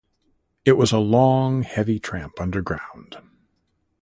It was a long, heavy tramp underground.